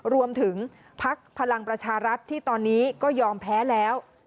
รวมถึงภักดิ์พลังประชารัฐที่ตอนนี้ก็ยอมแพ้แล้ว